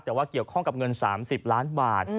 แต่ว่าเกี่ยวข้องกับเงิน๓๐ล้านบาท